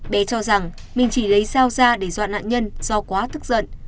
bé cho rằng mình chỉ lấy rau ra để dọn nạn nhân do quá thức giận